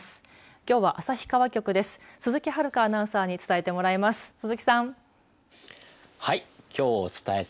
きょうは旭川局です。